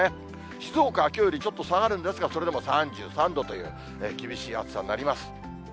静岡はきょうよりちょっと下がるんですが、それでも３３度という、厳しい暑さになります。